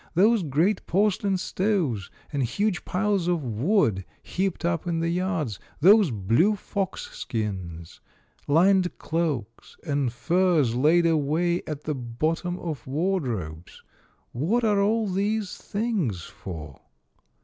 Those great porcelain stoves, and huge piles of wood heaped up in the yards, those blue fox skins, lined cloaks, and furs laid away at the bot tom of wardrobes, — what are all these things for